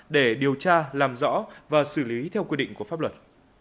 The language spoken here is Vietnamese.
để điều tra làm rõ và xử lý theo quy định của pháp luật